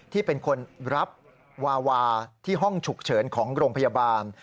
ที่เป็นคนรับวาวาที่ห้องฉุกเฉินของโรงพยาบาล